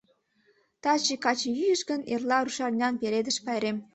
Таче Качыйӱыш гын, эрла, рушарнян — Пеледыш пайрем.